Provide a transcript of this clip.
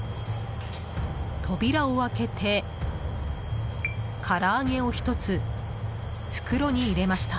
扉を開けてから揚げを１つ、袋に入れました。